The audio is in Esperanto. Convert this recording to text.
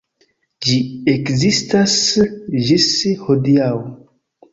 Ĝi ekzistas ĝis hodiaŭ.